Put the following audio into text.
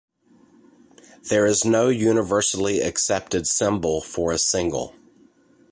There is no universally accepted symbol for a single.